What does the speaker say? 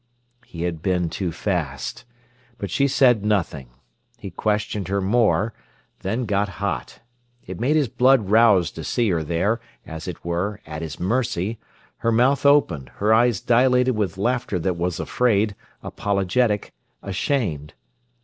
He had been too fast. But she said nothing. He questioned her more, then got hot. It made his blood rouse to see her there, as it were, at his mercy, her mouth open, her eyes dilated with laughter that was afraid, apologetic, ashamed.